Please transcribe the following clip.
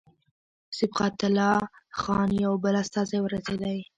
صبغت الله خان یو بل استازی ورسېدی.